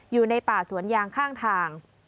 อยู่ในป่าสวนยางข้างทาง